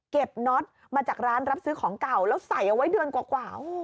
น็อตมาจากร้านรับซื้อของเก่าแล้วใส่เอาไว้เดือนกว่า